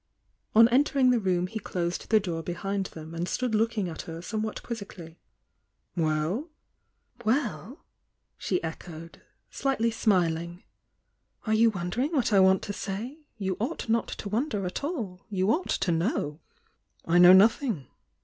On entering the room he closed the door behind "w"i'i ?"°°'''°°'''"*!"*^" somewhat quizzically. "WeU!" she echoed, slightly smiling. "Are you wondering what I want to say? You ought not to wonder at all,— you ought to know!" "I know nothing!"